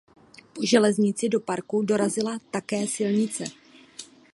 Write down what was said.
Po železnici do parku dorazila také silnice.